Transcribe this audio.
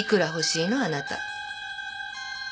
あなた。